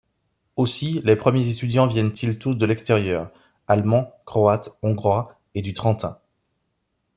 Aussi les premiers étudiants viennent-ils tous de l’extérieur: allemands, croates, hongrois et du Trentin.